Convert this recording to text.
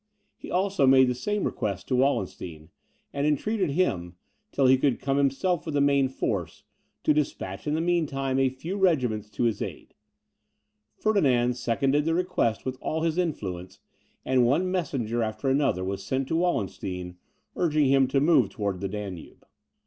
He also made the same request to Wallenstein, and entreated him, till he could himself come with the main force, to despatch in the mean time a few regiments to his aid. Ferdinand seconded the request with all his influence, and one messenger after another was sent to Wallenstein, urging him to move towards the Danube.